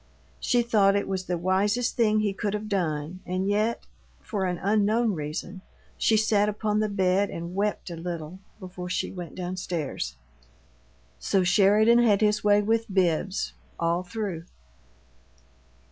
She thought it was the wisest thing he could have done and yet, for an unknown reason, she sat upon the bed and wept a little before she went down stairs. So Sheridan had his way with Bibbs, all through.